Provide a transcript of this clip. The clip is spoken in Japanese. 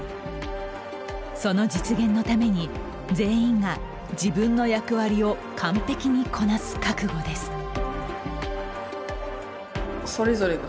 その実現のために、全員が自分の役割を完璧にこなす覚悟です。